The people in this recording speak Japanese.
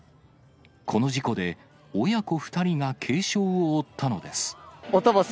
この事故で親子２人が軽傷を負ったのです。